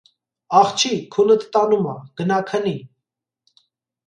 - Աղջի, քունդ տանում ա, գնա քնի: